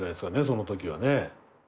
その時はね。